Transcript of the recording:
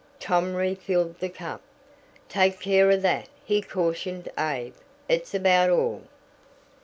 Tom refilled the cup. "Take care of that," he cautioned Abe. "It's about all."